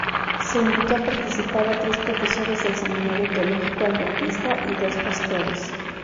Se invitó a participar a tres profesores del Seminario Teológico Adventista y dos pastores.